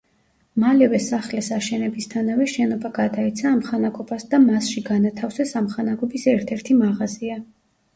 მალევე სახლის აშენებისთანავე შენობა გადაეცა ამხანაგობას და მასში განათავსეს ამხანაგობის ერთ-ერთი მაღაზია.